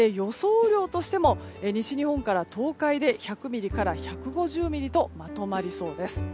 雨量としても西日本から東海で１００ミリから１５０ミリとまとまりそうです。